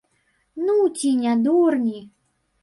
Ну, ці не дурні?